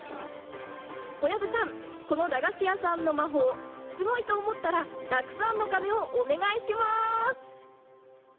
小籔さん、この駄菓子屋さんの魔法、すごいと思ったら、たくさんの鐘をお願いします。